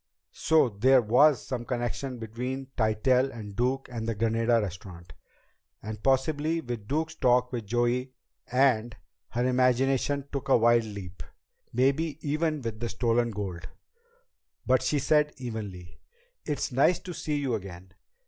So there was some connection between Tytell and Duke and the Granada Restaurant and possibly with Duke's talk with Joey, and her imagination took a wild leap maybe even with the stolen gold! But she said evenly: "It's nice to see you again.